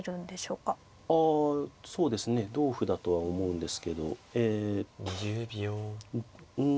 あそうですね同歩だとは思うんですけどえうん